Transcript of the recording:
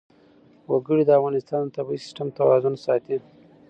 وګړي د افغانستان د طبعي سیسټم توازن ساتي.